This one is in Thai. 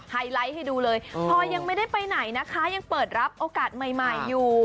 ไฮไลท์ให้ดูเลยพอยังไม่ได้ไปไหนนะคะยังเปิดรับโอกาสใหม่อยู่